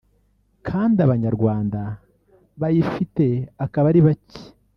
kandi abanyarwanda bayifite akaba ari bacye